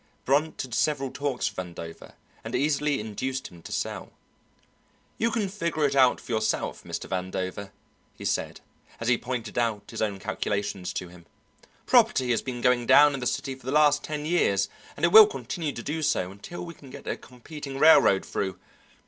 Brunt had several talks with Vandover and easily induced him to sell. "You can figure it out for yourself, Mr. Vandover," he said, as he pointed out his own calculations to him; "property has been going down in the city for the last ten years, and it will continue to do so until we can get a competing railroad through.